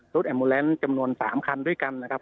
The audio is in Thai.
แอมโมแลนซ์จำนวน๓คันด้วยกันนะครับ